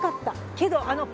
けどあの形。